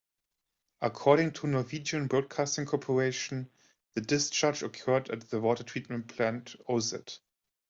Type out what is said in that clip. According to Norwegian Broadcasting Corporation, the discharge occurred at the water treatment plant Oset.